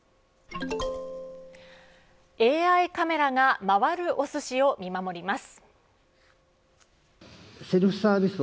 ＡＩカメラが回るおすしを見守ります。